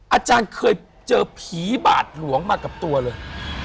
อาจารย์เคยเจอผีบาดหลวงมากับตัวเลย